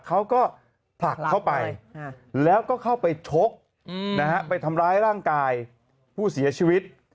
เขาก็ผลักเข้าไปแล้วก็เข้าไปชกไปทำร้ายร่างกายผู้เสียชีวิต